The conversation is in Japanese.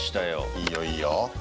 いいよ、いいよ。